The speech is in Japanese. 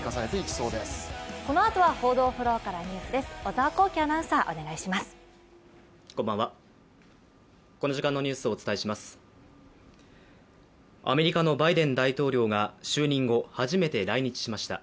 アメリカのバイデン大統領が就任後、初めて来日しました。